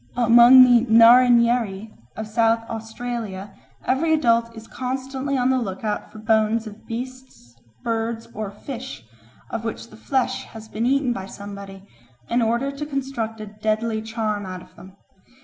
Among the Narrinyeri of South Australia every adult is constantly on the look out for bones of beasts, birds, or fish, of which the flesh has been eaten by somebody, in order to construct a deadly charm out of them.